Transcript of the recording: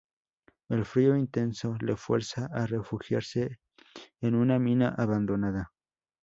El frío intenso le fuerza a refugiarse en una mina abandonada.